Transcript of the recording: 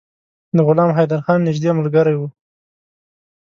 د غلام حیدرخان نیژدې ملګری وو.